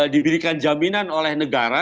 diberikan jaminan oleh negara